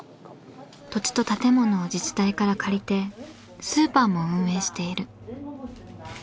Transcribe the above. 土地と建物を自治体から借りてスーパーも運営している。